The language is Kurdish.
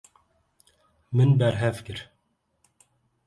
Min berhev kir.